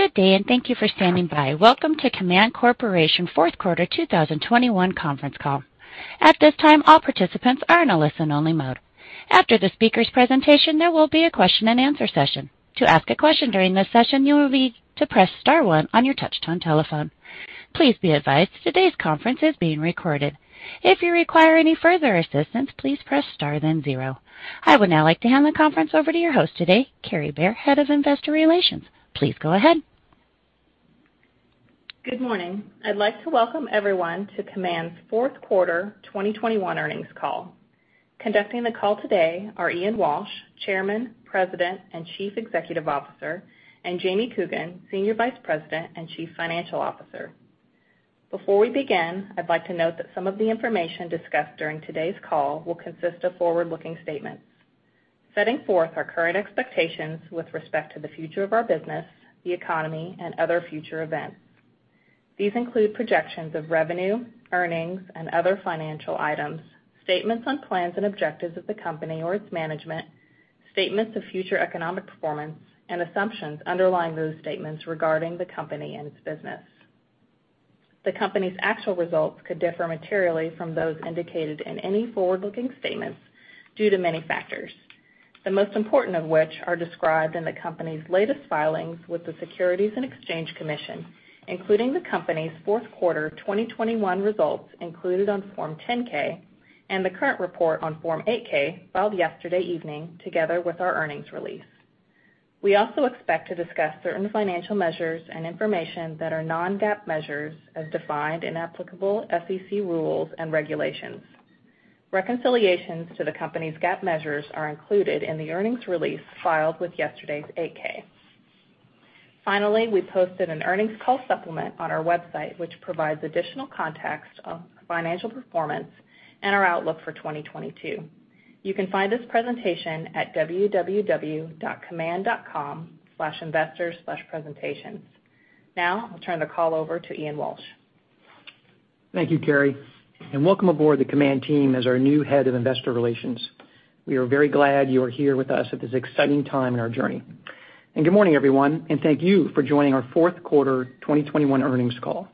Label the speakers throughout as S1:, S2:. S1: Good day, and thank you for standing by. Welcome to Kaman Corporation fourth quarter 2021 conference call. At this time, all participants are in a listen-only mode. After the speaker's presentation, there will be a question-and-answer session. To ask a question during this session, you will need to press star one on your touchtone telephone. Please be advised today's conference is being recorded. If you require any further assistance, please press star, then zero. I would now like to hand the conference over to your host today, Kary Bare, Head of Investor Relations. Please go ahead.
S2: Good morning. I'd like to welcome everyone to Kaman's fourth quarter 2021 earnings call. Conducting the call today are Ian Walsh, Chairman, President, and Chief Executive Officer, and Jamie Coogan, Senior Vice President and Chief Financial Officer. Before we begin, I'd like to note that some of the information discussed during today's call will consist of forward-looking statements setting forth our current expectations with respect to the future of our business, the economy, and other future events. These include projections of revenue, earnings and other financial items, statements on plans and objectives of the company or its management, statements of future economic performance, and assumptions underlying those statements regarding the company and its business. The company's actual results could differ materially from those indicated in any forward-looking statements due to many factors, the most important of which are described in the company's latest filings with the Securities and Exchange Commission, including the company's fourth quarter 2021 results included on Form 10-K and the current report on Form 8-K filed yesterday evening together with our earnings release. We also expect to discuss certain financial measures and information that are non-GAAP measures as defined in applicable SEC rules and regulations. Reconciliations to the company's GAAP measures are included in the earnings release filed with yesterday's 8-K. Finally, we posted an earnings call supplement on our website, which provides additional context on financial performance and our outlook for 2022. You can find this presentation at www.kaman.com/investors/presentations. Now I'll turn the call over to Ian Walsh.
S3: Thank you, Kary, and welcome aboard the Kaman team as our new Head of Investor Relations. We are very glad you are here with us at this exciting time in our journey. Good morning, everyone, and thank you for joining our fourth quarter 2021 earnings call.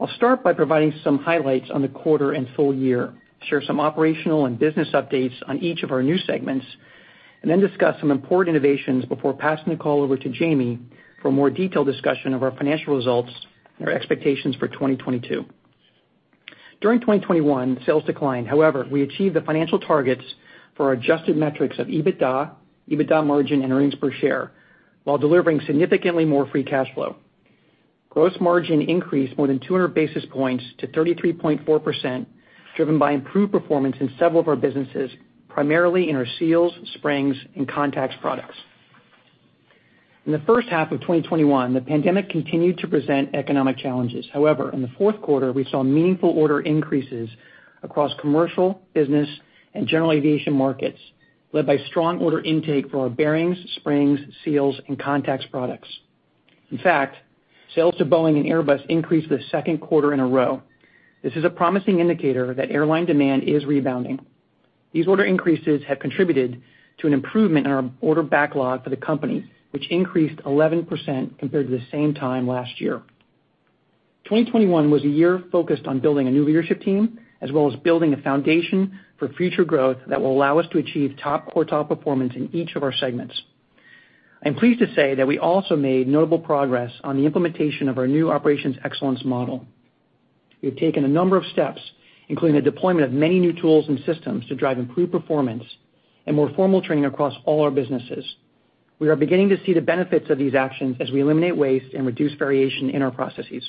S3: I'll start by providing some highlights on the quarter and full year, share some operational and business updates on each of our new segments, and then discuss some important innovations before passing the call over to Jamie for a more detailed discussion of our financial results and our expectations for 2022. During 2021, sales declined. However, we achieved the financial targets for our adjusted metrics of EBITDA margin, and earnings per share, while delivering significantly more free cash flow. Gross margin increased more than 200 basis points to 33.4%, driven by improved performance in several of our businesses, primarily in our seals, springs, and contacts products. In the first half of 2021, the pandemic continued to present economic challenges. However, in the fourth quarter we saw meaningful order increases across commercial, business, and general aviation markets, led by strong order intake for our bearings, springs, seals, and contacts products. In fact, sales to Boeing and Airbus increased for the second quarter in a row. This is a promising indicator that airline demand is rebounding. These order increases have contributed to an improvement in our order backlog for the company, which increased 11% compared to the same time last year. 2021 was a year focused on building a new leadership team, as well as building a foundation for future growth that will allow us to achieve top quartile performance in each of our segments. I'm pleased to say that we also made notable progress on the implementation of our new operations excellence model. We have taken a number of steps, including the deployment of many new tools and systems to drive improved performance and more formal training across all our businesses. We are beginning to see the benefits of these actions as we eliminate waste and reduce variation in our processes.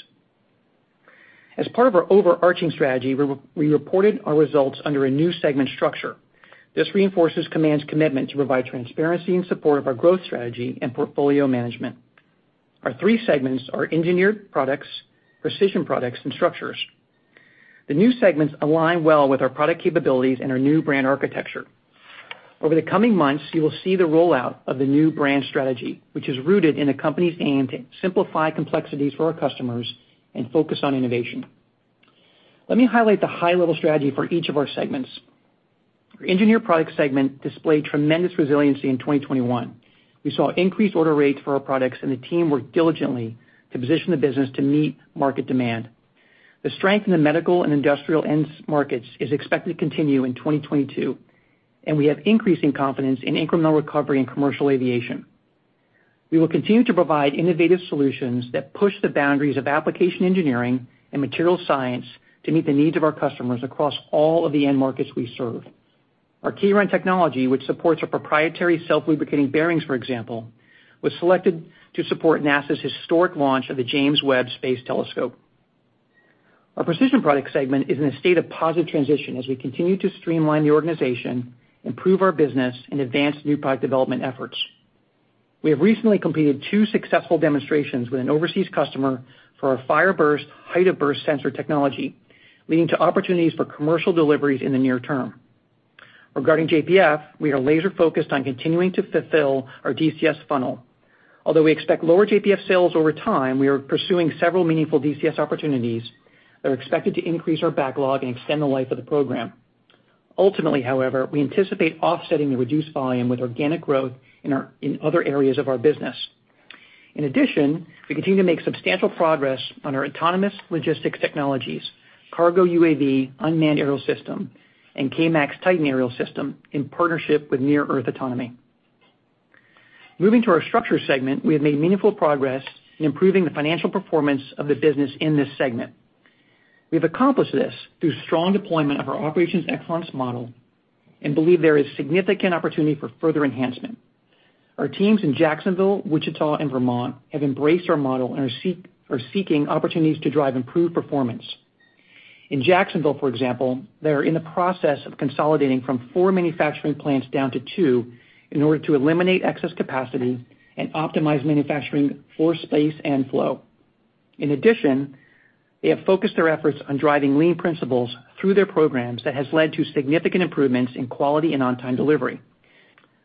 S3: As part of our overarching strategy, we re-reported our results under a new segment structure. This reinforces Kaman's commitment to provide transparency in support of our growth strategy and portfolio management. Our three segments are Engineered Products, Precision Products, and Structures. The new segments align well with our product capabilities and our new brand architecture. Over the coming months, you will see the rollout of the new brand strategy, which is rooted in the company's aim to simplify complexities for our customers and focus on innovation. Let me highlight the high-level strategy for each of our segments. Our Engineered Products segment displayed tremendous resiliency in 2021. We saw increased order rates for our products, and the team worked diligently to position the business to meet market demand. The strength in the medical and industrial end markets is expected to continue in 2022, and we have increasing confidence in incremental recovery in commercial aviation. We will continue to provide innovative solutions that push the boundaries of application engineering and material science to meet the needs of our customers across all of the end markets we serve. Our KAron technology, which supports our proprietary self-lubricating bearings, for example, was selected to support NASA's historic launch of the James Webb Space Telescope. Our Precision Products segment is in a state of positive transition as we continue to streamline the organization, improve our business, and advance new product development efforts. We have recently completed two successful demonstrations with an overseas customer for our FireBurst height of burst sensor technology, leading to opportunities for commercial deliveries in the near term. Regarding JPF, we are laser-focused on continuing to fulfill our DCS funnel. Although we expect lower JPF sales over time, we are pursuing several meaningful DCS opportunities that are expected to increase our backlog and extend the life of the program. Ultimately, however, we anticipate offsetting the reduced volume with organic growth in our, in other areas of our business. In addition, we continue to make substantial progress on our autonomous logistics technologies, KARGO UAV, unmanned aerial system, and K-MAX TITAN aerial system in partnership with Near Earth Autonomy. Moving to our Structures segment, we have made meaningful progress in improving the financial performance of the business in this segment. We have accomplished this through strong deployment of our operations excellence model and believe there is significant opportunity for further enhancement. Our teams in Jacksonville, Wichita, and Vermont have embraced our model and are seeking opportunities to drive improved performance. In Jacksonville, for example, they are in the process of consolidating from four manufacturing plants down to two in order to eliminate excess capacity and optimize manufacturing for space and flow. In addition, they have focused their efforts on driving lean principles through their programs that has led to significant improvements in quality and on-time delivery.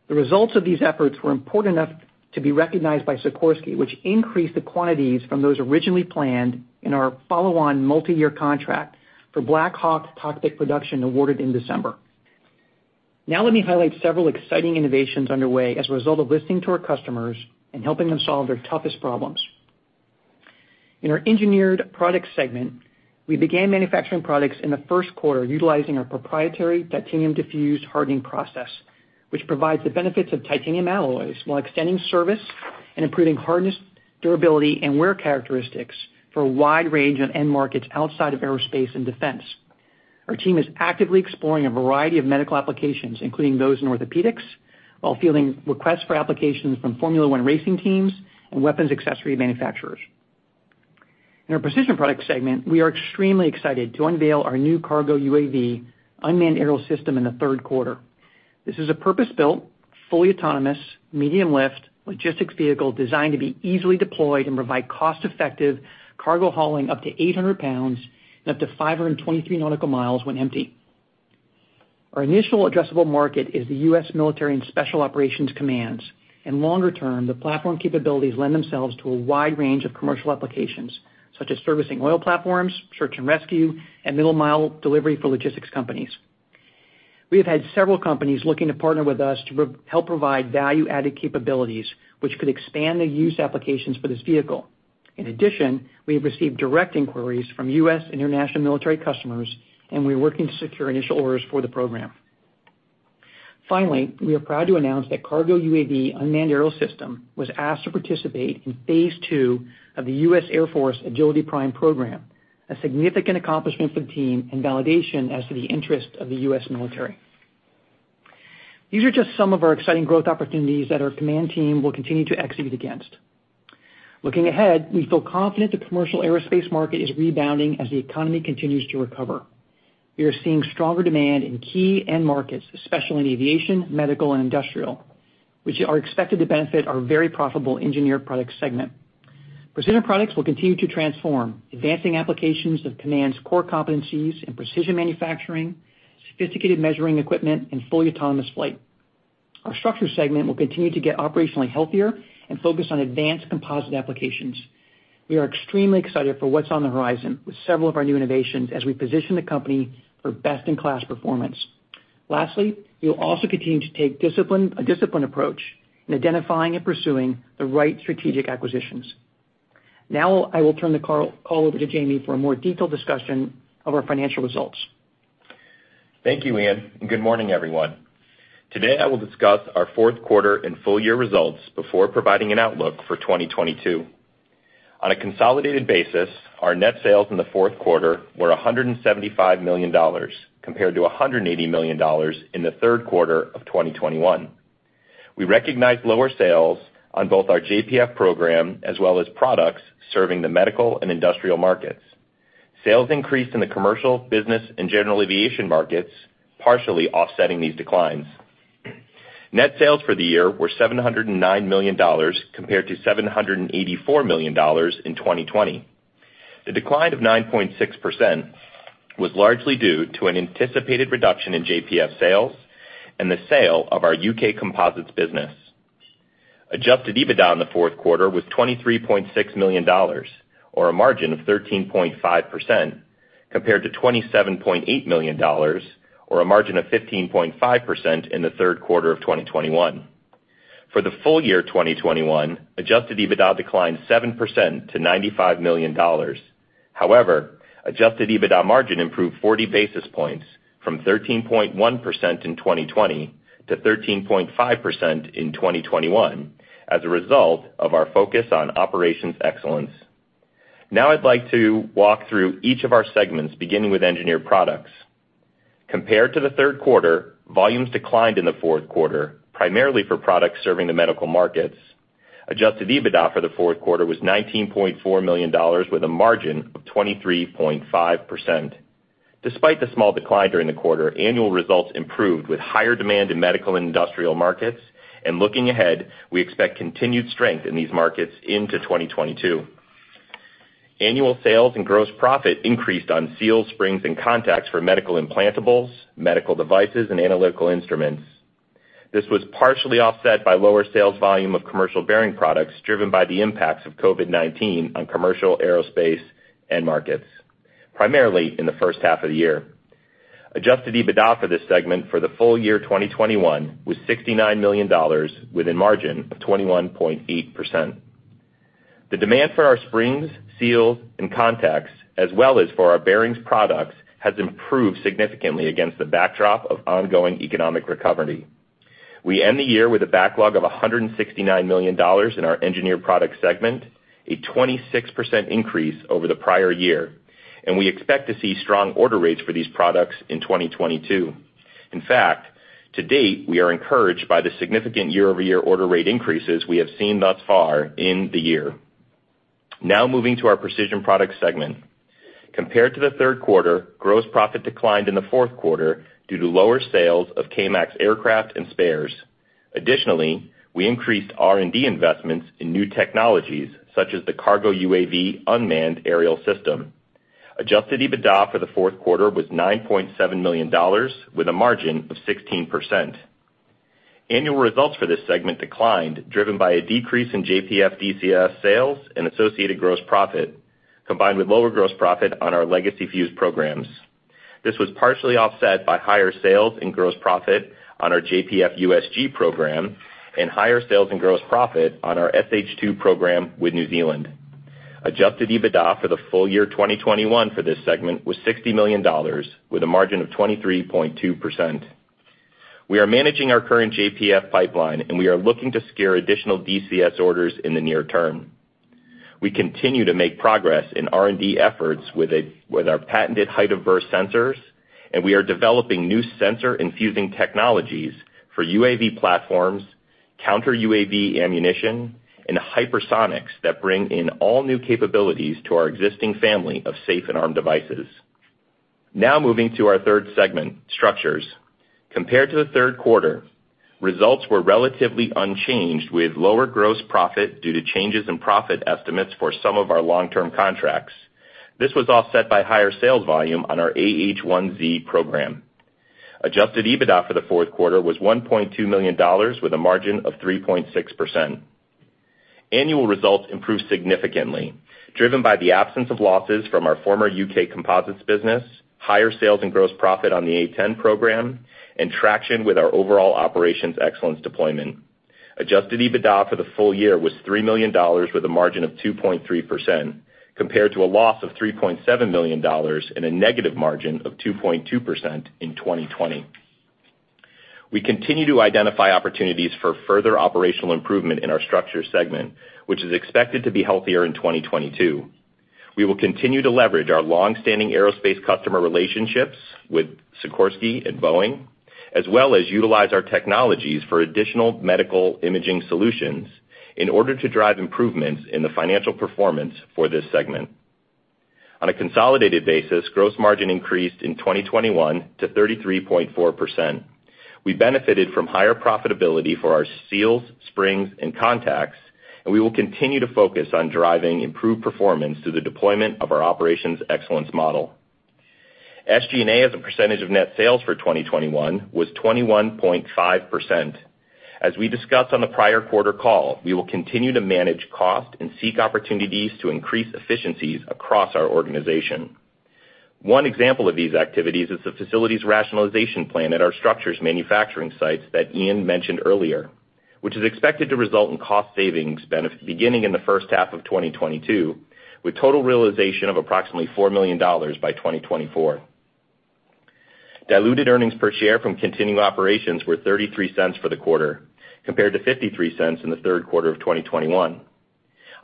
S3: The results of these efforts were important enough to be recognized by Sikorsky, which increased the quantities from those originally planned in our follow-on multi-year contract for BLACK HAWK cockpit production awarded in December. Now, let me highlight several exciting innovations underway as a result of listening to our customers and helping them solve their toughest problems. In our Engineered Products segment, we began manufacturing products in the first quarter utilizing our proprietary titanium diffused hardening process, which provides the benefits of titanium alloys while extending service and improving hardness, durability, and wear characteristics for a wide range of end markets outside of aerospace and defense. Our team is actively exploring a variety of medical applications, including those in orthopedics, while fielding requests for applications from Formula 1 racing teams and weapons accessory manufacturers. In our Precision Products segment, we are extremely excited to unveil our new KARGO UAV unmanned aerial system in the third quarter. This is a purpose-built, fully autonomous, medium-lift logistics vehicle designed to be easily deployed and provide cost-effective cargo hauling up to 800 lbs and up to 523 NM when empty. Our initial addressable market is the U.S. military and special operations commands. Longer-term, the platform capabilities lend themselves to a wide range of commercial applications, such as servicing oil platforms, search and rescue, and middle mile delivery for logistics companies. We have had several companies looking to partner with us to help provide value-added capabilities, which could expand the use applications for this vehicle. In addition, we have received direct inquiries from U.S. and international military customers, and we're working to secure initial orders for the program. Finally, we are proud to announce that KARGO UAV unmanned aerial system was asked to participate in phase two of the U.S. Air Force Agility Prime program, a significant accomplishment for the team and validation as to the interest of the U.S. military. These are just some of our exciting growth opportunities that our Kaman team will continue to execute against. Looking ahead, we feel confident the commercial aerospace market is rebounding as the economy continues to recover. We are seeing stronger demand in key end markets, especially in aviation, medical, and industrial, which are expected to benefit our very profitable Engineered Products segment. Precision Products will continue to transform, advancing applications of Kaman's core competencies in precision manufacturing, sophisticated measuring equipment, and fully autonomous flight. Our Structures segment will continue to get operationally healthier and focused on advanced composite applications. We are extremely excited for what's on the horizon with several of our new innovations as we position the company for best-in-class performance. Lastly, we will also continue to take a disciplined approach in identifying and pursuing the right strategic acquisitions. Now, I will turn the call over to Jamie for a more detailed discussion of our financial results.
S4: Thank you, Ian, and good morning, everyone. Today, I will discuss our fourth quarter and full year results before providing an outlook for 2022. On a consolidated basis, our net sales in the fourth quarter were $175 million compared to $180 million in the third quarter of 2021. We recognized lower sales on both our JPF program as well as products serving the medical and industrial markets. Sales increased in the commercial, business, and general aviation markets, partially offsetting these declines. Net sales for the year were $709 million compared to $784 million in 2020. The decline of 9.6% was largely due to an anticipated reduction in JPF sales and the sale of our U.K. composites business. Adjusted EBITDA in the fourth quarter was $23.6 million or a margin of 13.5% compared to $27.8 million or a margin of 15.5% in the third quarter of 2021. For the full year 2021, Adjusted EBITDA declined 7% to $95 million. However, Adjusted EBITDA margin improved 40 basis points from 13.1% in 2020 to 13.5% in 2021 as a result of our focus on operational excellence. Now I'd like to walk through each of our segments, beginning with Engineered Products. Compared to the third quarter, volumes declined in the fourth quarter, primarily for products serving the medical markets. Adjusted EBITDA for the fourth quarter was $19.4 million with a margin of 23.5%. Despite the small decline during the quarter, annual results improved with higher demand in medical and industrial markets. Looking ahead, we expect continued strength in these markets into 2022. Annual sales and gross profit increased on seals, springs, and contacts for medical implantables, medical devices, and analytical instruments. This was partially offset by lower sales volume of commercial bearing products, driven by the impacts of COVID-19 on commercial aerospace end markets, primarily in the first half of the year. Adjusted EBITDA for this segment for the full year 2021 was $69 million with a margin of 21.8%. The demand for our springs, seals and contacts, as well as for our bearings products, has improved significantly against the backdrop of ongoing economic recovery. We end the year with a backlog of $169 million in our Engineered Products segment, a 26% increase over the prior year, and we expect to see strong order rates for these products in 2022. In fact, to date, we are encouraged by the significant year-over-year order rate increases we have seen thus far in the year. Now moving to our Precision Products segment. Compared to the third quarter, gross profit declined in the fourth quarter due to lower sales of K-MAX aircraft and spares. Additionally, we increased R&D investments in new technologies, such as the KARGO UAV unmanned aerial system. Adjusted EBITDA for the fourth quarter was $9.7 million with a margin of 16%. Annual results for this segment declined, driven by a decrease in JPF DCS sales and associated gross profit, combined with lower gross profit on our legacy fuse programs. This was partially offset by higher sales and gross profit on our JPF USG program and higher sales and gross profit on our SH-2 program with New Zealand. Adjusted EBITDA for the full year 2021 for this segment was $60 million with a margin of 23.2%. We are managing our current JPF pipeline, and we are looking to secure additional DCS orders in the near term. We continue to make progress in R&D efforts with our patented height of burst sensors, and we are developing new sensor and fusing technologies for UAV platforms, counter UAV ammunition, and hypersonics that bring in all new capabilities to our existing family of safe and arm devices. Now moving to our third segment, Structures. Compared to the third quarter, results were relatively unchanged with lower gross profit due to changes in profit estimates for some of our long-term contracts. This was offset by higher sales volume on our AH-1Z program. Adjusted EBITDA for the fourth quarter was $1.2 million with a margin of 3.6%. Annual results improved significantly, driven by the absence of losses from our former U.K. composites business, higher sales and gross profit on the A-10 program, and traction with our overall operations excellence deployment. Adjusted EBITDA for the full year was $3 million with a margin of 2.3%, compared to a loss of $3.7 million and a negative margin of 2.2% in 2020. We continue to identify opportunities for further operational improvement in our Structures segment, which is expected to be healthier in 2022. We will continue to leverage our long-standing aerospace customer relationships with Sikorsky and Boeing, as well as utilize our technologies for additional medical imaging solutions in order to drive improvements in the financial performance for this segment. On a consolidated basis, gross margin increased in 2021 to 33.4%. We benefited from higher profitability for our seals, springs and contacts, and we will continue to focus on driving improved performance through the deployment of our operations excellence model. SG&A as a percentage of net sales for 2021 was 21.5%. As we discussed on the prior quarter call, we will continue to manage cost and seek opportunities to increase efficiencies across our organization. One example of these activities is the facilities rationalization plan at our structures manufacturing sites that Ian mentioned earlier, which is expected to result in cost savings beginning in the first half of 2022, with total realization of approximately $4 million by 2024. Diluted earnings per share from continuing operations were $0.33 for the quarter, compared to $0.53 in the third quarter of 2021.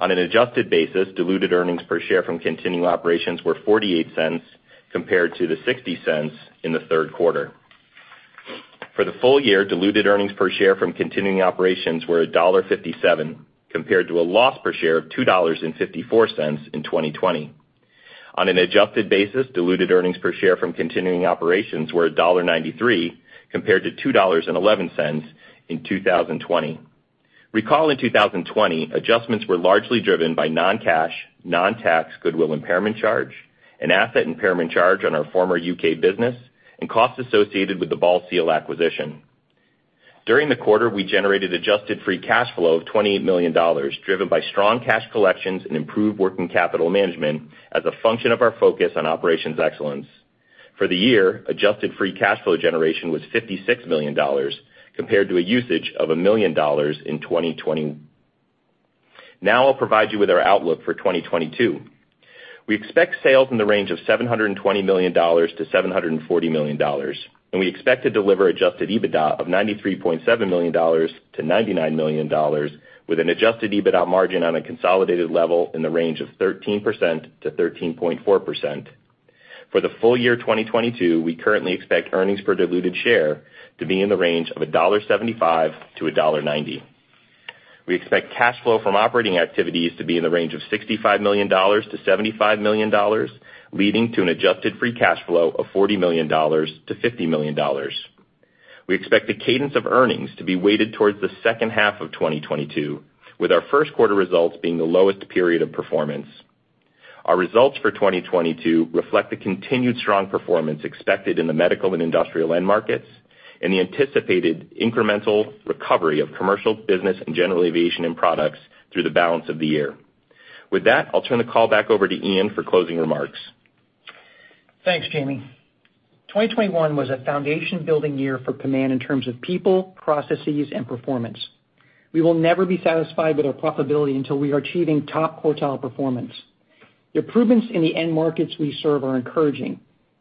S4: On an adjusted basis, diluted earnings per share from continuing operations were $0.48 compared to the $0.60 in the third quarter. For the full year, diluted earnings per share from continuing operations were $1.57, compared to a loss per share of $2.54 in 2020. On an adjusted basis, diluted earnings per share from continuing operations were $1.93, compared to $2.11 in 2020. Recall in 2020, adjustments were largely driven by non-cash, non-tax goodwill impairment charge, an asset impairment charge on our former U.K. business, and costs associated with the Bal Seal acquisition. During the quarter, we generated adjusted free cash flow of $28 million, driven by strong cash collections and improved working capital management as a function of our focus on operations excellence. For the year, adjusted free cash flow generation was $56 million, compared to a usage of $1 million in 2020. Now I'll provide you with our outlook for 2022. We expect sales in the range of $720 million-$740 million, and we expect to deliver Adjusted EBITDA of $93.7 million-$99 million with an Adjusted EBITDA margin on a consolidated level in the range of 13%-13.4%. For the full year 2022, we currently expect earnings per diluted share to be in the range of $1.75-$1.90. We expect cash flow from operating activities to be in the range of $65 million-$75 million, leading to an adjusted free cash flow of $40 million-$50 million. We expect the cadence of earnings to be weighted towards the second half of 2022, with our first quarter results being the lowest period of performance. Our results for 2022 reflect the continued strong performance expected in the medical and industrial end markets and the anticipated incremental recovery of commercial business and general aviation and products through the balance of the year. With that, I'll turn the call back over to Ian for closing remarks.
S3: Thanks, Jamie. 2021 was a foundation-building year for Kaman in terms of people, processes, and performance. We will never be satisfied with our profitability until we are achieving top quartile performance. The improvements in the end markets we serve are encouraging, and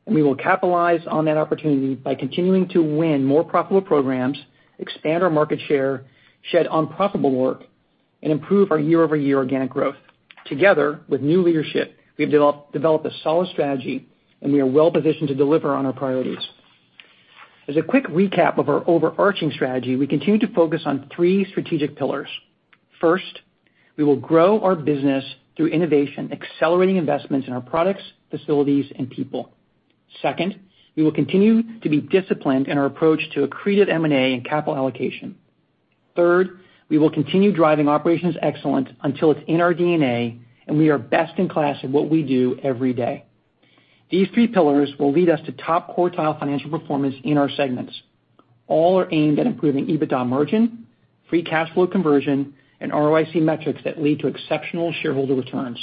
S3: we will capitalize on that opportunity by continuing to win more profitable programs, expand our market share, shed unprofitable work, and improve our year-over-year organic growth. Together, with new leadership, we've developed a solid strategy, and we are well-positioned to deliver on our priorities. As a quick recap of our overarching strategy, we continue to focus on three strategic pillars. First, we will grow our business through innovation, accelerating investments in our products, facilities, and people. Second, we will continue to be disciplined in our approach to accretive M&A and capital allocation. Third, we will continue driving operations excellence until it's in our DNA and we are best in class at what we do every day. These three pillars will lead us to top quartile financial performance in our segments. All are aimed at improving EBITDA margin, free cash flow conversion, and ROIC metrics that lead to exceptional shareholder returns.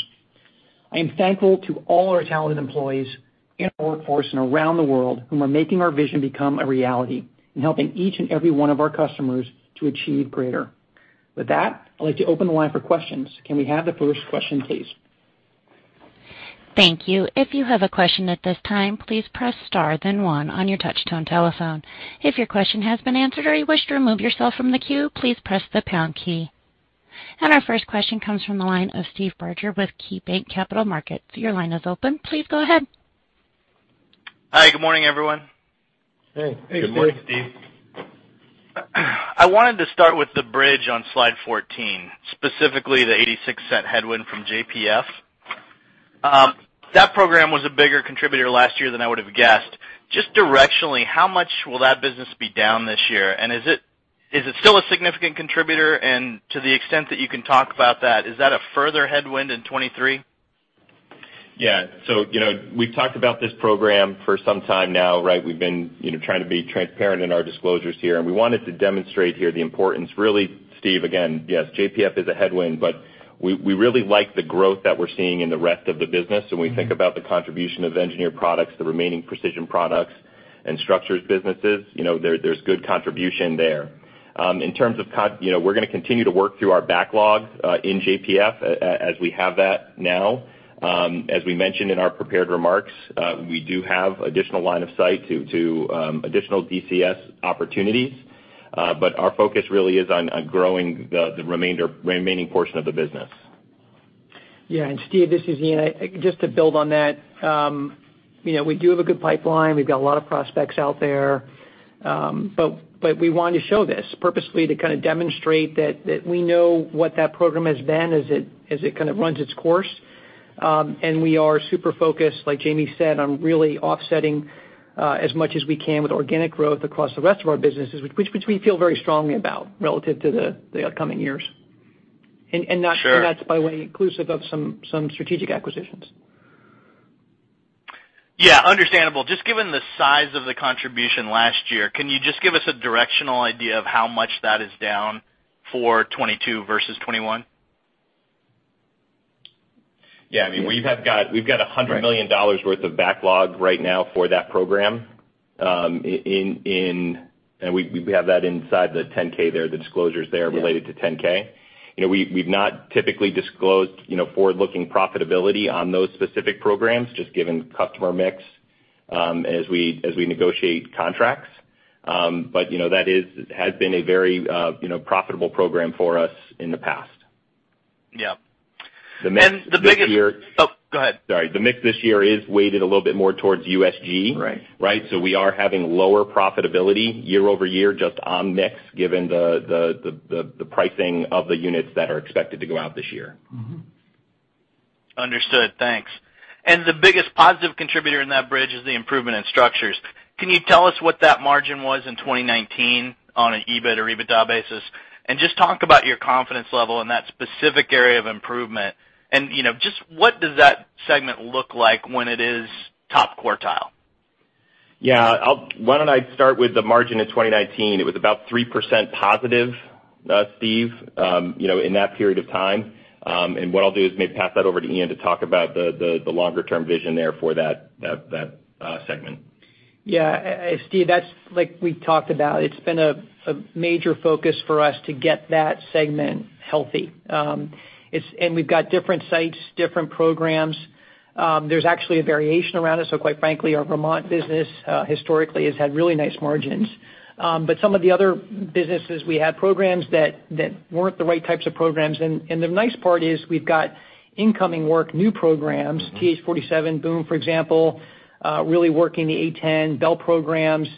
S3: I am thankful to all our talented employees in our workforce and around the world who are making our vision become a reality and helping each and every one of our customers to achieve greater. With that, I'd like to open the line for questions. Can we have the first question, please?
S1: Thank you. If you have a question at this time, please press star then one on your touch tone telephone. If your question has been answered or you wish to remove yourself from the queue, please press the pound key. Our first question comes from the line of Steve Barger with KeyBanc Capital Markets. Your line is open. Please go ahead.
S5: Hi, good morning, everyone.
S3: Hey.
S4: Good morning, Steve.
S5: I wanted to start with the bridge on slide 14, specifically the $0.86 headwind from JPF. That program was a bigger contributor last year than I would have guessed. Just directionally, how much will that business be down this year? Is it still a significant contributor? To the extent that you can talk about that, is that a further headwind in 2023?
S4: Yeah. You know, we've talked about this program for some time now, right? We've been, you know, trying to be transparent in our disclosures here, and we wanted to demonstrate here the importance really, Steve, again, yes, JPF is a headwind, but we really like the growth that we're seeing in the rest of the business. When we think about the contribution of Engineered Products, the remaining Precision Products and Structures businesses, you know, there's good contribution there. In terms of, you know, we're gonna continue to work through our backlog in JPF as we have that now. As we mentioned in our prepared remarks, we do have additional line of sight to additional DCS opportunities, but our focus really is on growing the remaining portion of the business.
S3: Yeah. Steve, this is Ian. Just to build on that, you know, we do have a good pipeline. We've got a lot of prospects out there. But we want to show this purposely to kind of demonstrate that we know what that program has been as it kind of runs its course. We are super focused, like Jamie said, on really offsetting as much as we can with organic growth across the rest of our businesses, which we feel very strongly about relative to the upcoming years.
S5: Sure.
S3: That's by the way, inclusive of some strategic acquisitions.
S5: Yeah, understandable. Just given the size of the contribution last year, can you just give us a directional idea of how much that is down for 2022 versus 2021?
S4: Yeah. I mean, we have got-
S5: Right.
S4: We've got $100 million worth of backlog right now for that program, and we have that inside the 10-K there, the disclosures there related to 10-K. You know, we've not typically disclosed, you know, forward-looking profitability on those specific programs, just given customer mix, as we negotiate contracts. You know, that has been a very, you know, profitable program for us in the past.
S5: Yeah.
S4: The mix this year.
S5: Oh, go ahead.
S4: Sorry. The mix this year is weighted a little bit more toward USG.
S5: Right.
S4: Right? We are having lower profitability year-over-year just on mix, given the pricing of the units that are expected to go out this year.
S5: Understood. Thanks. The biggest positive contributor in that bridge is the improvement in Structures. Can you tell us what that margin was in 2019 on an EBIT or EBITDA basis? Just talk about your confidence level in that specific area of improvement. You know, just what does that segment look like when it is top quartile?
S4: Yeah. Why don't I start with the margin in 2019? It was about 3% positive, Steve, you know, in that period of time. What I'll do is maybe pass that over to Ian to talk about the longer term vision there for that segment.
S3: Yeah. Steve, that's like we talked about, it's been a major focus for us to get that segment healthy. We've got different sites, different programs. There's actually a variation around it, so quite frankly, our Vermont business historically has had really nice margins. Some of the other businesses, we had programs that weren't the right types of programs. The nice part is we've got incoming work, new programs, CH-47 boom, for example, really working the A-10 and Bell programs.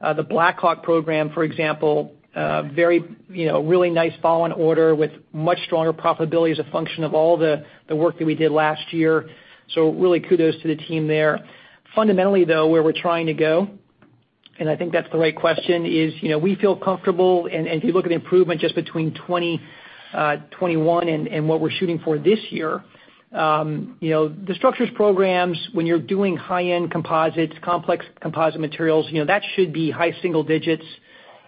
S3: The BLACK HAWK program, for example, very, you know, really nice follow-on order with much stronger profitability as a function of all the work that we did last year. Really kudos to the team there. Fundamentally, though, where we're trying to go. I think that's the right question is, you know, we feel comfortable. If you look at the improvement just between 20% and 21% and what we're shooting for this year, you know, the Structures programs when you're doing high-end composites, complex composite materials, you know, that should be high single digits,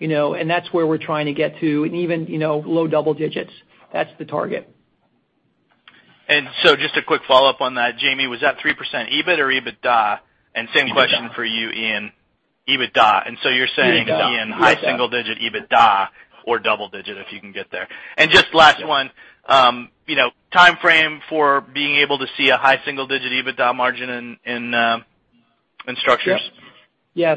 S3: you know, and that's where we're trying to get to, and even, you know, low double digits. That's the target.
S5: just a quick follow-up on that, Jamie. Was that 3% EBIT or EBITDA?
S3: EBITDA.
S5: Same question for you, Ian. EBITDA. You're saying-
S3: EBITDA.
S5: Ian, high single-digit EBITDA or double-digit, if you can get there. Just last one, timeframe for being able to see a high single-digit EBITDA margin in Structures.
S3: Yeah.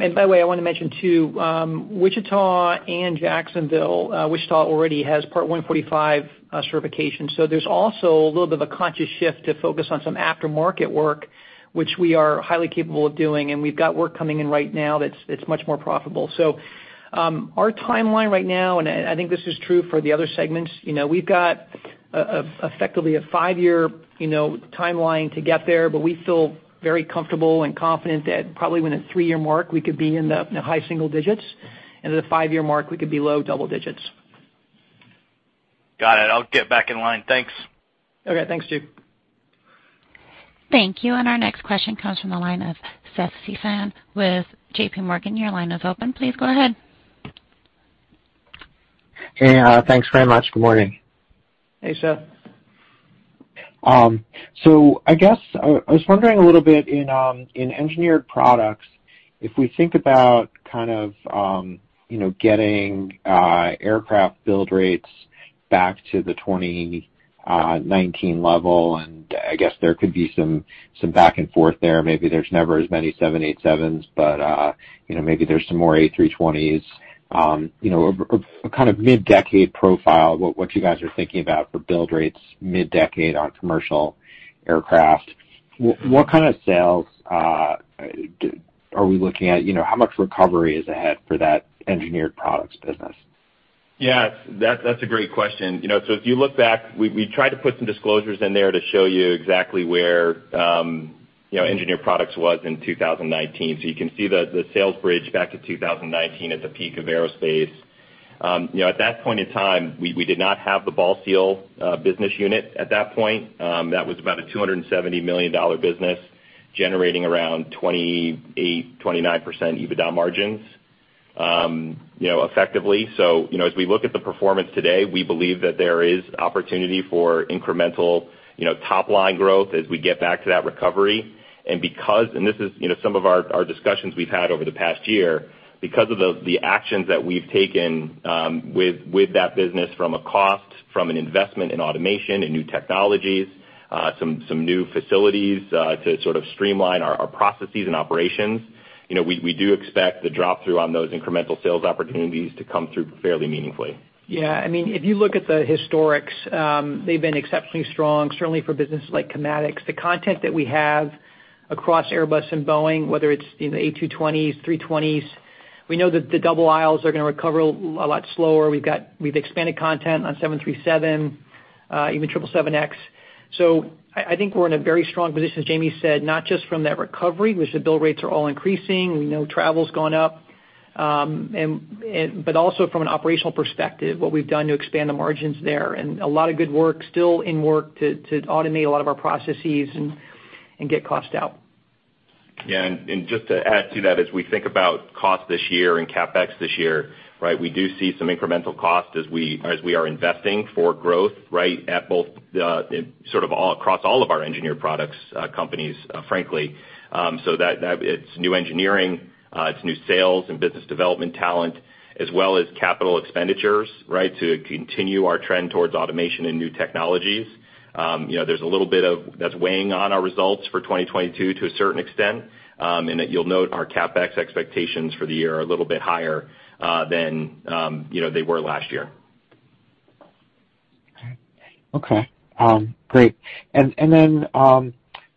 S3: And by the way, I wanna mention, too, Wichita and Jacksonville. Wichita already has Part 145 certification. There's also a little bit of a conscious shift to focus on some aftermarket work, which we are highly capable of doing, and we've got work coming in right now that's much more profitable. Our timeline right now, and I think this is true for the other segments, you know, we've got a effectively a five-year timeline to get there. But we feel very comfortable and confident that probably within a three-year mark, we could be in the high single digits, and in the five-year mark, we could be low double digits.
S5: Got it. I'll get back in line. Thanks.
S3: Okay. Thanks, Steve.
S1: Thank you. Our next question comes from the line of Seth Seifman with JPMorgan. Your line is open. Please go ahead.
S6: Hey, thanks very much. Good morning.
S3: Hey, Seth.
S6: I guess I was wondering a little bit in Engineered Products, if we think about kind of you know getting aircraft build rates back to the 2019 level, and I guess there could be some back and forth there. Maybe there's never as many 787s, but you know maybe there's some more A320s. You know a kind of mid-decade profile, what you guys are thinking about for build rates mid-decade on commercial aircraft. What kind of sales are we looking at? You know how much recovery is ahead for that Engineered Products business?
S4: Yeah. That's a great question. You know, if you look back, we tried to put some disclosures in there to show you exactly where, you know, Engineered Products was in 2019. You can see the sales bridge back to 2019 at the peak of aerospace. You know, at that point in time, we did not have the Bal Seal business unit at that point. That was about a $270 million business generating around 28%-29% EBITDA margins, you know, effectively. You know, as we look at the performance today, we believe that there is opportunity for incremental, you know, top line growth as we get back to that recovery. Because this is, you know, some of our discussions we've had over the past year, because of the actions that we've taken with that business from a cost, from an investment in automation and new technologies, some new facilities to sort of streamline our processes and operations, you know, we do expect the drop through on those incremental sales opportunities to come through fairly meaningfully.
S3: Yeah. I mean, if you look at the historical, they've been exceptionally strong, certainly for businesses like Kamatics. The content that we have across Airbus and Boeing, whether it's, you know, A220s, A320s, we know that the double aisles are gonna recover a lot slower. We've expanded content on 737, even 777X. So I think we're in a very strong position, as Jamie said, not just from that recovery, which the build rates are all increasing. We know travel's gone up, and but also from an operational perspective, what we've done to expand the margins there, and a lot of good work still in work to automate a lot of our processes and get cost out.
S4: Yeah. Just to add to that, as we think about cost this year and CapEx this year, right? We do see some incremental cost as we are investing for growth, right? At both, sort of all across all of our Engineered Products companies, frankly. So that it's new engineering, it's new sales and business development talent, as well as capital expenditures, right? To continue our trend towards automation and new technologies. You know, there's a little bit of that's weighing on our results for 2022 to a certain extent, and that you'll note our CapEx expectations for the year are a little bit higher than they were last year.
S6: Okay. Great.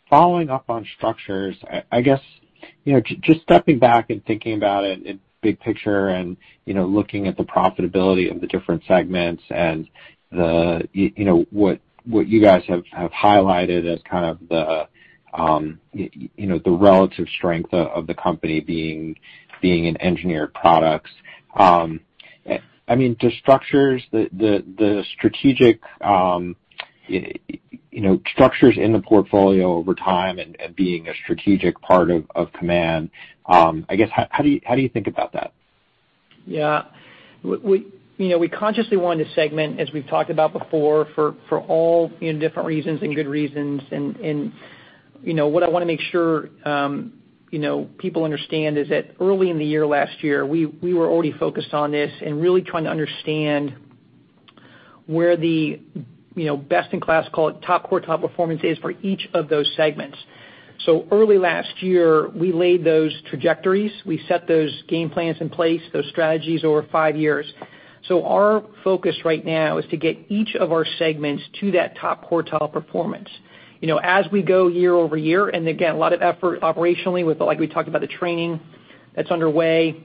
S6: Following up on Structures, I guess, you know, just stepping back and thinking about it in big picture and, you know, looking at the profitability of the different segments and the you know what you guys have highlighted as kind of the you know the relative strength of the company being in Engineered Products. I mean, does Structures the strategic you know Structures in the portfolio over time and being a strategic part of Kaman, I guess, how do you think about that?
S3: We you know consciously wanted to segment, as we've talked about before for all you know different reasons and good reasons. You know, what I wanna make sure you know people understand is that early in the year last year, we were already focused on this and really trying to understand where the you know best in class, call it top quartile performance is for each of those segments. Early last year, we laid those trajectories, we set those game plans in place, those strategies over five years. Our focus right now is to get each of our segments to that top quartile performance. You know, as we go year-over-year, and again, a lot of effort operationally with, like we talked about, the training that's underway,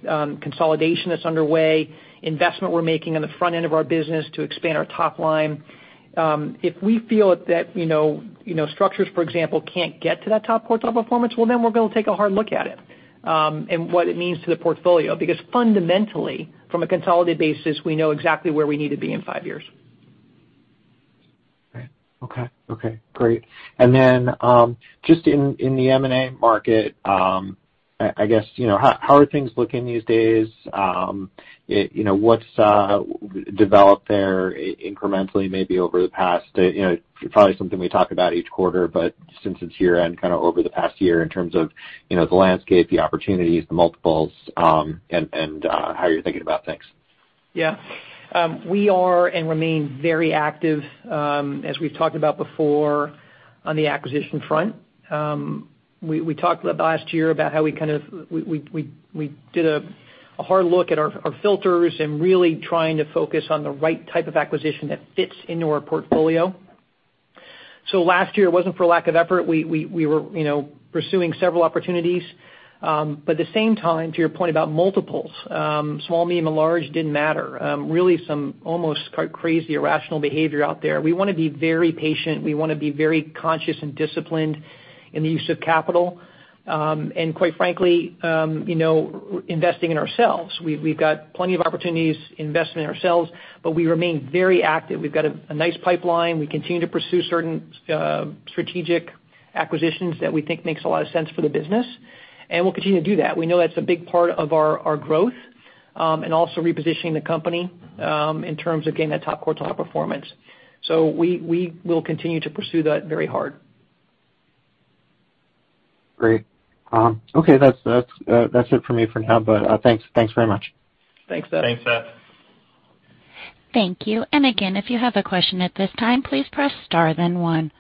S3: consolidation that's underway, investment we're making on the front end of our business to expand our top line. If we feel that, you know, you know, Structures, for example, can't get to that top quartile performance, well, then we're gonna take a hard look at it, and what it means to the portfolio. Because fundamentally, from a consolidated basis, we know exactly where we need to be in five years.
S6: Okay. Okay, great. Then, just in the M&A market, I guess, you know, how are things looking these days? You know, what's developed there incrementally, maybe over the past, you know, probably something we talk about each quarter, but since it's year-end, kinda over the past year in terms of, you know, the landscape, the opportunities, the multiples, and how you're thinking about things.
S3: Yeah. We are and remain very active, as we've talked about before on the acquisition front. We talked last year about how we did a hard look at our filters and really trying to focus on the right type of acquisition that fits into our portfolio. Last year it wasn't for lack of effort. We were, you know, pursuing several opportunities. But at the same time, to your point about multiples, small, medium, and large, didn't matter. Really some almost crazy, irrational behavior out there. We wanna be very patient. We wanna be very conscious and disciplined in the use of capital. Quite frankly, you know, investing in ourselves. We've got plenty of opportunities investing in ourselves, but we remain very active. We've got a nice pipeline. We continue to pursue certain strategic acquisitions that we think makes a lot of sense for the business, and we'll continue to do that. We know that's a big part of our growth and also repositioning the company in terms of getting that top quartile performance. We will continue to pursue that very hard.
S6: Great. Okay, that's it for me for now, but thanks. Thanks very much.
S3: Thanks, Seth.
S4: Thanks, Seth.
S1: Thank you. Again, if you have a question at this time, please press star then one.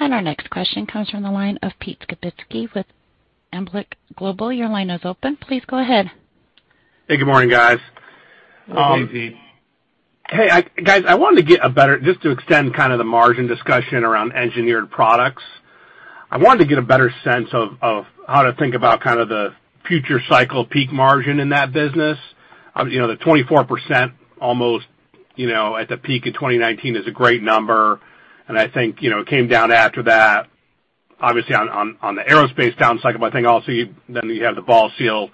S1: Our next question comes from the line of Pete Skibitski with Alembic Global. Your line is open. Please go ahead.
S7: Hey, good morning, guys.
S3: Good morning, Pete.
S7: Guys, just to extend kinda the margin discussion around Engineered Products. I wanted to get a better sense of how to think about kind of the future cycle peak margin in that business. You know, the 24% almost, you know, at the peak in 2019 is a great number, and I think, you know, it came down after that, obviously on the aerospace down cycle. But I think also you have the Bal Seal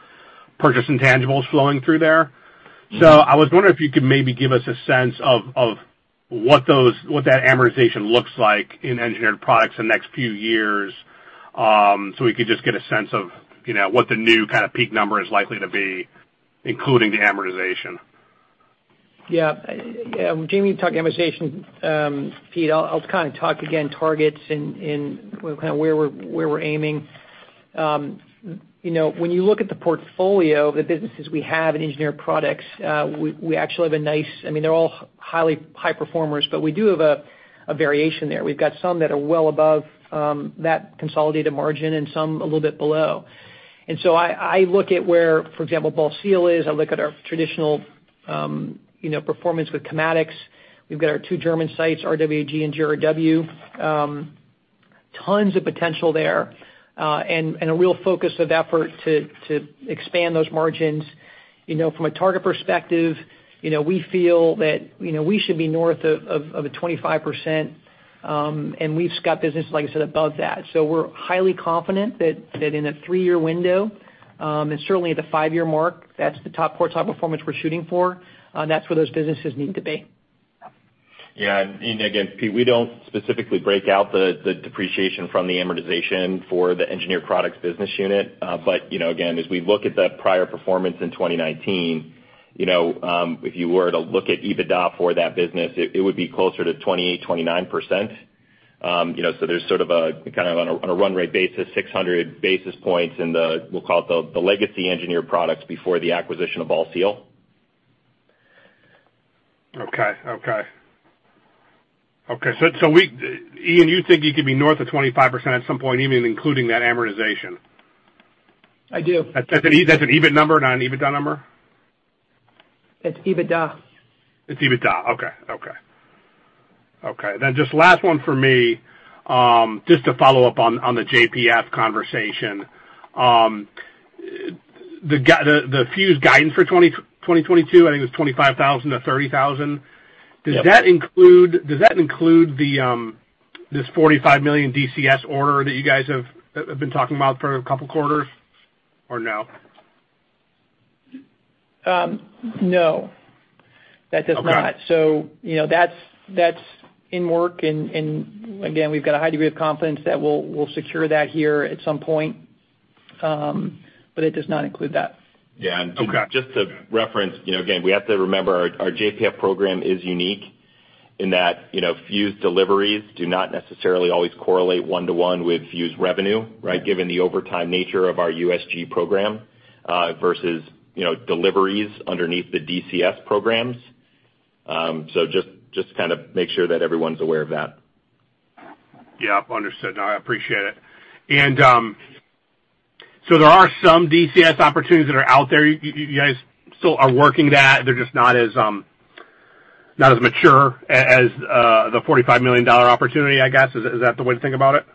S7: purchase intangibles flowing through there.
S3: Mm-hmm.
S7: I was wondering if you could maybe give us a sense of what that amortization looks like in Engineered Products the next few years, so we could just get a sense of, you know, what the new kinda peak number is likely to be, including the amortization.
S3: Yeah. Yeah, Jamie, you can talk amortization. Pete, I'll just kinda talk about targets and kind of where we're aiming. You know, when you look at the portfolio of the businesses we have in Engineered Products, I mean, they're all high performers, but we do have a variation there. We've got some that are well above that consolidated margin and some a little bit below. I look at where, for example, Bal Seal is. I look at our traditional performance with Kamatics. We've got our two German sites, RWG and GRW. Tons of potential there, and a real focus of effort to expand those margins. You know, from a target perspective, you know, we feel that, you know, we should be north of a 25%, and we've got business, like I said, above that. We're highly confident that in a three-year window, and certainly at the five-year mark, that's the top quartile performance we're shooting for, that's where those businesses need to be.
S4: Again, Pete, we don't specifically break out the depreciation from the amortization for the Engineered Products business unit. You know, again, as we look at the prior performance in 2019, you know, if you were to look at EBITDA for that business, it would be closer to 28%-29%. You know, there's sort of a kind of on a run rate basis, 600 basis points in the we'll call it the legacy Engineered Products before the acquisition of Bal Seal.
S7: Okay, Ian, you think you could be north of 25% at some point, even including that amortization?
S3: I do.
S7: That's an EBIT number, not an EBITDA number?
S3: It's EBITDA.
S7: It's EBITDA. Okay. Just last one for me, just to follow up on the JPF conversation. The fuze guidance for 2022, I think it was 25,000-30,000.
S3: Yep.
S7: Does that include this $45 million DCS order that you guys have been talking about for a couple quarters, or no?
S3: No.
S7: Okay.
S3: That does not. You know, that's in work. Again, we've got a high degree of confidence that we'll secure that here at some point, but it does not include that.
S4: Yeah.
S7: Okay.
S4: Just to reference, you know, again, we have to remember our JPF program is unique in that, you know, fuze deliveries do not necessarily always correlate one-to-one with fuze revenue, right? Given the over time nature of our USG program, versus, you know, deliveries underneath the DCS programs. Just to kind of make sure that everyone's aware of that.
S7: Yeah. Understood. No, I appreciate it. There are some DCS opportunities that are out there. You guys still are working that. They're just not as mature as the $45 million opportunity, I guess. Is that the way to think about it?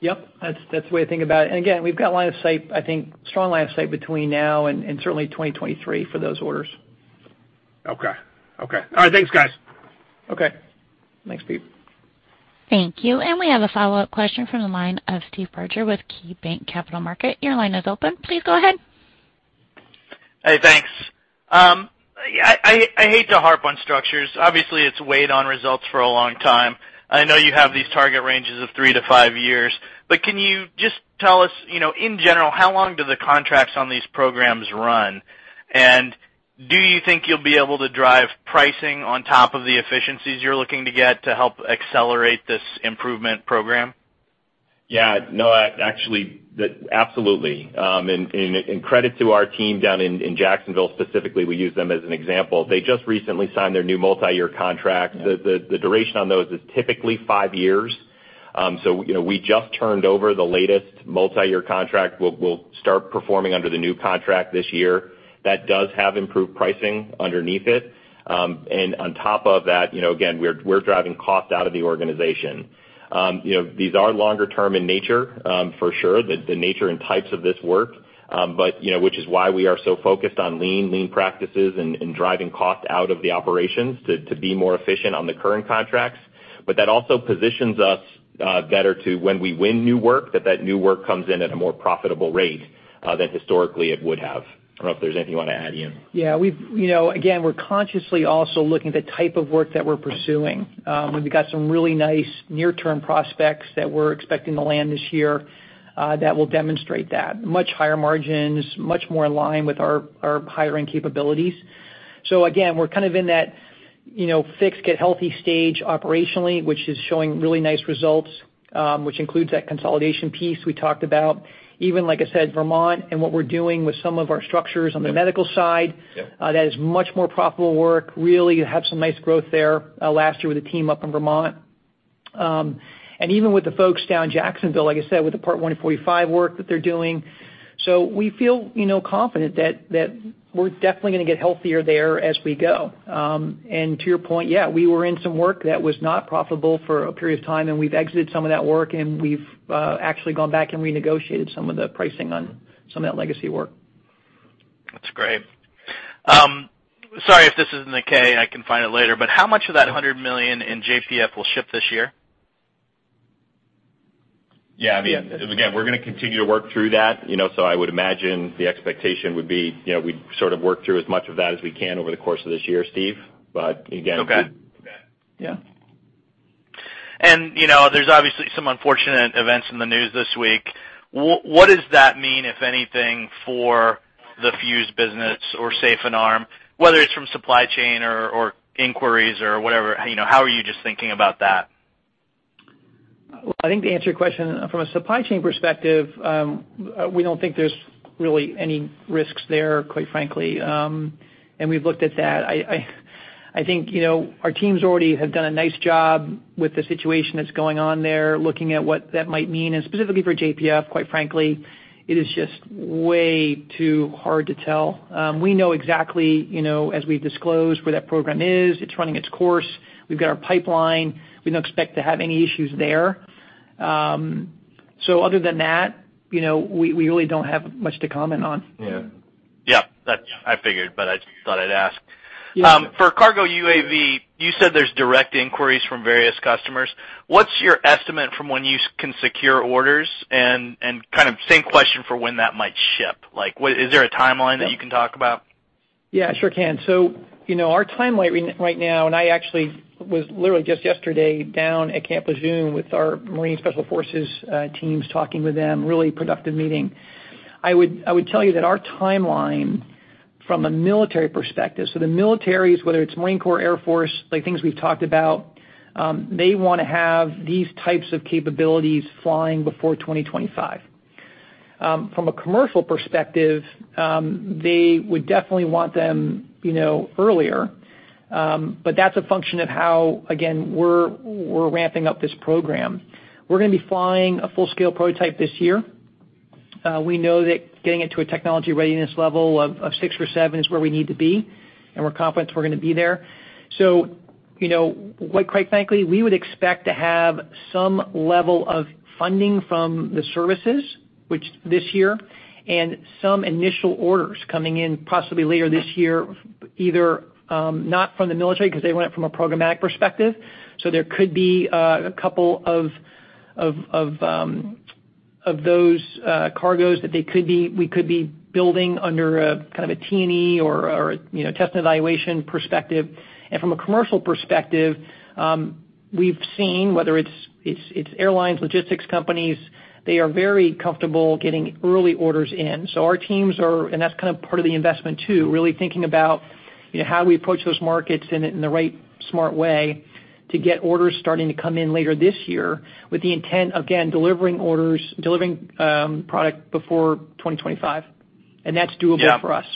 S3: Yep, that's the way to think about it. Again, we've got line of sight, I think strong line of sight between now and certainly 2023 for those orders.
S7: Okay. All right, thanks guys.
S3: Okay. Thanks, Pete.
S1: Thank you. We have a follow-up question from the line of Steve Barger with KeyBanc Capital Markets. Your line is open. Please go ahead.
S5: Hey, thanks. Yeah, I hate to harp on Structures. Obviously, it's weighed on results for a long time. I know you have these target ranges of three to five years, but can you just tell us, you know, in general, how long do the contracts on these programs run? And do you think you'll be able to drive pricing on top of the efficiencies you're looking to get to help accelerate this improvement program?
S4: Yeah, no, actually, absolutely. Credit to our team down in Jacksonville, specifically. We use them as an example. They just recently signed their new multi-year contract. The duration on those is typically five years. You know, we just turned over the latest multi-year contract. We'll start performing under the new contract this year. That does have improved pricing underneath it. On top of that, you know, again, we're driving cost out of the organization. You know, these are longer term in nature, for sure, the nature and types of this work, but you know, which is why we are so focused on lean practices and driving cost out of the operations to be more efficient on the current contracts. That also positions us better to when we win new work, that new work comes in at a more profitable rate than historically it would have. I don't know if there's anything you wanna add, Ian.
S3: Yeah, we've you know, again, we're consciously also looking at the type of work that we're pursuing. We've got some really nice near-term prospects that we're expecting to land this year that will demonstrate that. Much higher margins, much more in line with our higher end capabilities. Again, we're kind of in that, you know, fix, get healthy stage operationally, which is showing really nice results, which includes that consolidation piece we talked about. Even, like I said, Vermont and what we're doing with some of our Structures on the medical side.
S4: Yeah.
S3: That is much more profitable work. Really had some nice growth there last year with a team up in Vermont. Even with the folks down in Jacksonville, like I said, with the Part 145 work that they're doing. We feel, you know, confident that we're definitely gonna get healthier there as we go. To your point, yeah, we were in some work that was not profitable for a period of time, and we've exited some of that work, and we've actually gone back and renegotiated some of the pricing on some of that legacy work.
S5: That's great. Sorry if this is in the K, I can find it later, but how much of that $100 million in JPF will ship this year?
S4: Yeah. I mean, again, we're gonna continue to work through that, you know, so I would imagine the expectation would be, you know, we'd sort of work through as much of that as we can over the course of this year, Steve. But again.
S5: Okay.
S3: Yeah.
S5: You know, there's obviously some unfortunate events in the news this week. What does that mean, if anything, for the fuze business or safe and arm, whether it's from supply chain or inquiries or whatever, you know, how are you just thinking about that?
S3: Well, I think to answer your question, from a supply chain perspective, we don't think there's really any risks there, quite frankly, and we've looked at that. I think, you know, our teams already have done a nice job with the situation that's going on there, looking at what that might mean. Specifically for JPF, quite frankly, it is just way too hard to tell. We know exactly, you know, as we've disclosed, where that program is. It's running its course. We've got our pipeline. We don't expect to have any issues there. So other than that, you know, we really don't have much to comment on.
S4: Yeah.
S5: Yeah. That's. I figured, but I just thought I'd ask.
S3: Yeah.
S5: For KARGO UAV, you said there's direct inquiries from various customers. What's your estimate from when you can secure orders? Kind of same question for when that might ship. Like, is there a timeline that you can talk about?
S3: Yeah, sure can. You know, our timeline right now, and I actually was literally just yesterday down at Camp Lejeune with our Marine special forces teams, talking with them, really productive meeting. I would tell you that our timeline from a military perspective, so the military, whether it's Marine Corps, Air Force, like things we've talked about, they wanna have these types of capabilities flying before 2025. From a commercial perspective, they would definitely want them, you know, earlier. That's a function of how, again, we're ramping up this program. We're gonna be flying a full-scale prototype this year. We know that getting it to a technology readiness level of six or seven is where we need to be, and we're confident we're gonna be there. You know, quite frankly, we would expect to have some level of funding from the services, which this year, and some initial orders coming in possibly later this year, either not from the military 'cause they went from a programmatic perspective. There could be a couple of those KARGOs that we could be building under a kind of a T&E or, you know, test and evaluation perspective. From a commercial perspective, we've seen whether it's airlines, logistics companies, they are very comfortable getting early orders in. That's kind of part of the investment too, really thinking about, you know, how we approach those markets in a right smart way to get orders starting to come in later this year with the intent, again, delivering orders, product before 2025. That's doable for us.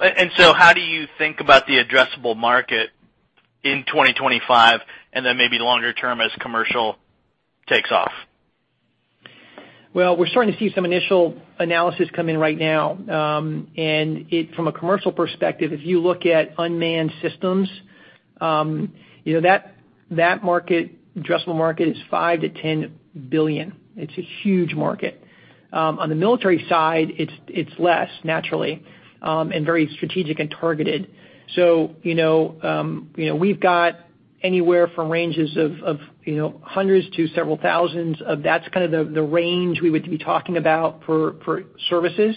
S5: How do you think about the addressable market in 2025 and then maybe longer term as commercial takes off?
S3: Well, we're starting to see some initial analysis come in right now. From a commercial perspective, if you look at unmanned systems, you know that market, addressable market is $5 billion-$10 billion. It's a huge market. On the military side, it's less naturally, and very strategic and targeted. You know, you know, we've got anywhere from ranges of hundreds to several thousands of that's kind of the range we would be talking about for services.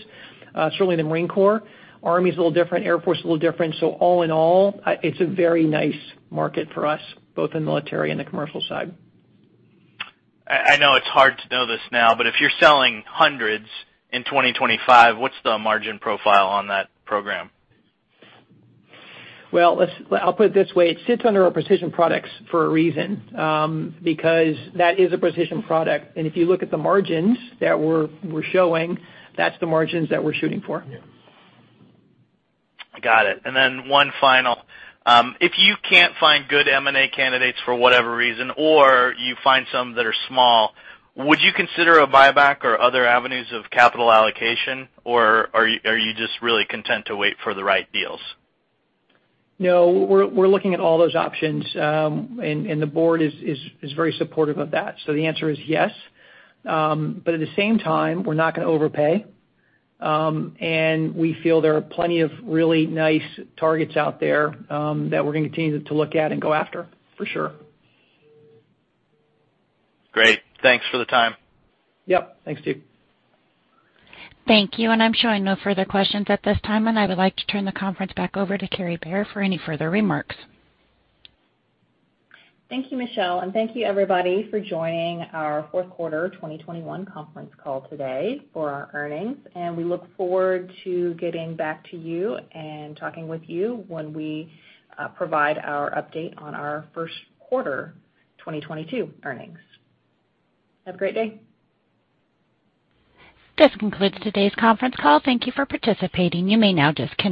S3: Certainly the Marine Corps. Army is a little different. Air Force is a little different. All in all, it's a very nice market for us, both in military and the commercial side.
S5: I know it's hard to know this now, but if you're selling hundreds in 2025, what's the margin profile on that program?
S3: Well, I'll put it this way. It sits under our Precision Products for a reason, because that is a precision product. If you look at the margins that we're showing, that's the margins that we're shooting for.
S5: Got it. Then one final. If you can't find good M&A candidates for whatever reason or you find some that are small, would you consider a buyback or other avenues of capital allocation, or are you just really content to wait for the right deals?
S3: No, we're looking at all those options. The board is very supportive of that. The answer is yes. At the same time, we're not gonna overpay. We feel there are plenty of really nice targets out there that we're gonna continue to look at and go after, for sure.
S5: Great. Thanks for the time.
S3: Yep. Thanks, Steve.
S1: Thank you. I'm showing no further questions at this time, and I would like to turn the conference back over to Kary Bare for any further remarks.
S2: Thank you, Michelle, and thank you everybody for joining our fourth quarter 2021 conference call today for our earnings. We look forward to getting back to you and talking with you when we provide our update on our first quarter 2022 earnings. Have a great day.
S1: This concludes today's conference call. Thank you for participating. You may now disconnect.